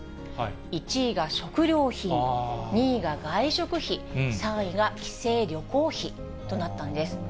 １位が食料品、２位が外食費、３位が帰省・旅行費となったんです。